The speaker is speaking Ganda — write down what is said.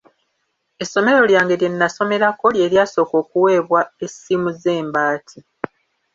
Essomero lyange lye nnasomerako lye lyasooka okuweebwa essimu z'embaati.